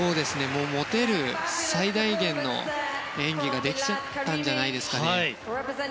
持てる最大限の演技ができたんじゃないですかね。